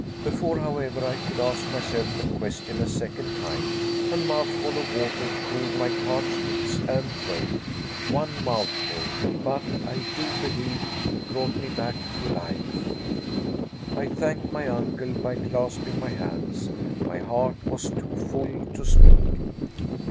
Before, however, I could ask myself the question a second time, a mouthful of water cooled my parched lips and throat one mouthful, but I do believe it brought me back to life. I thanked my uncle by clasping my hands. My heart was too full to speak.